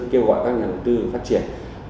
kêu gọi các nhà đầu tư phát triển